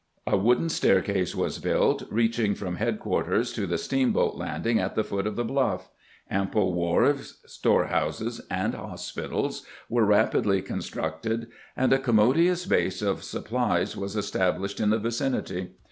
A wooden staircase was built reaching from headquarters to the steamboat landing at the foot of the bluff ; ample wharves, storehouses, and hospitals were rapidly con GBANT'S CAMP AT CITY POINT 213 structed, and a commodious base of supplies was estab lished in tbe vicinity.